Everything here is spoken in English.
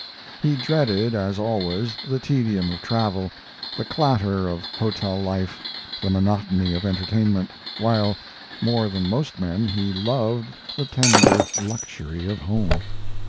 He dreaded, as always, the tedium of travel, the clatter of hotel life, the monotony of entertainment, while, more than most men, he loved the tender luxury of home.